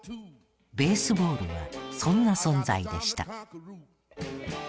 ベースボールはそんな存在でした。